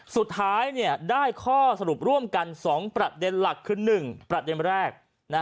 สุดท้ายได้ข้อสรุปร่วมกัน๒ประเด็นหลักคือ๑ประเด็นแรก